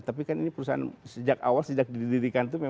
tapi kan ini perusahaan sejak awal sejak didirikan itu